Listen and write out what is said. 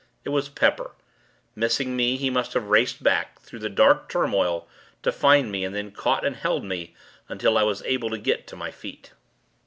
It was Pepper. Missing me, he must have raced back, through the dark turmoil, to find me, and then caught, and held me, until I was able to get to my feet.